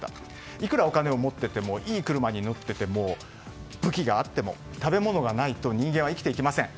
いくらお金を持っていてもいい車に乗っていても武器があっても、食べ物がないと人間は生きていけません。